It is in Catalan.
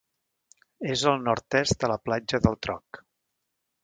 És al nord-est de la Platja del Troc.